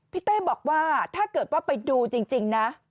เต้บอกว่าถ้าเกิดว่าไปดูจริงนะ